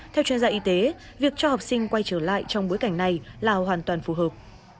theo chuyên gia y tế việc cho học sinh quay trở lại trong bối cảnh này là hoàn toàn phù hợp